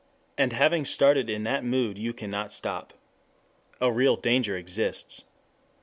And having started in that mood you cannot stop. A real danger exists.